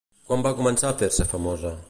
Quan va començar a fer-se famosa?